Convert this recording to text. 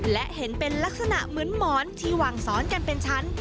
และเห็นเป็นลักษณะเหมือนหมอนที่วางซ้อนกันเป็นชั้น